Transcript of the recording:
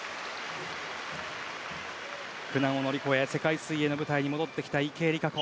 苦難を乗り越え世界水泳の舞台に戻ってきた池江璃花子。